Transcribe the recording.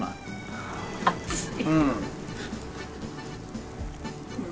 熱い。